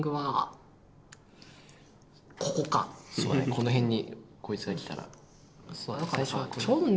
この辺にこいつが来たら。